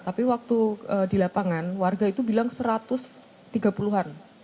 tapi waktu di lapangan warga itu bilang satu ratus tiga puluh an